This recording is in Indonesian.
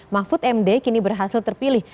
mahfud md kini berhasil terpilih